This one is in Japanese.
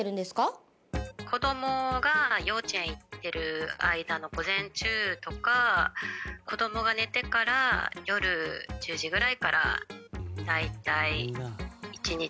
子どもが幼稚園行ってる間の午前中とか子どもが寝てから夜１０時ぐらいから。